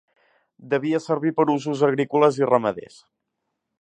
Devia servir per usos agrícoles i ramaders.